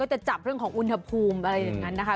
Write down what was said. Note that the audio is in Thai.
จะจับเรื่องของอุณหภูมิอะไรอย่างนั้นนะคะ